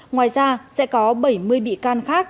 ngoài ra sẽ có bảy mươi bị can khác